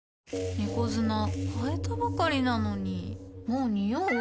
猫砂替えたばかりなのにもうニオう？